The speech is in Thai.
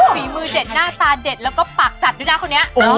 ฝีมือเด็ดหน้าตาเด็ดแล้วก็ปากจัดด้วยนะคนนี้